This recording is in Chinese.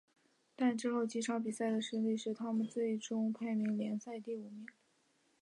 但之后几场比赛的失利使得他们最终排名联赛第五名。